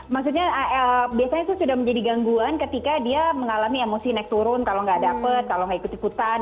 maksudnya biasanya itu sudah menjadi gangguan ketika dia mengalami emosi naik turun kalau nggak dapet kalau nggak ikut ikutan